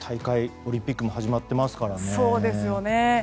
オリンピックも始まっていますからね。